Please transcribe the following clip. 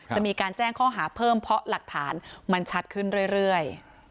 จะมีการแจ้งข้อหาเพิ่มเพราะหลักฐานมันชัดขึ้นเรื่อย